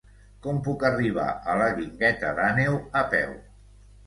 Com puc arribar a la Guingueta d'Àneu a peu?